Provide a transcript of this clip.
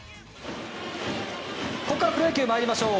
ここからプロ野球参りましょう。